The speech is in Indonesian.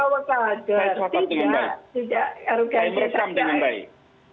tidak tidak saya merekam dengan baik